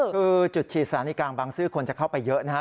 คือจุดฉีดสถานีกลางบางซื่อคนจะเข้าไปเยอะนะครับ